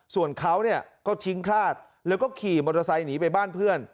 ส่วนเขาก็ทิ้งคลาดแล้วก็ขี่มอเตอร์ไซค์หนีไปบ้านเพื่อน